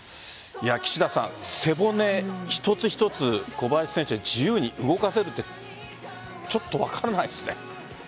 岸田さん、背骨一つ一つ小林選手が自由に動かせるってちょっと分からないですね。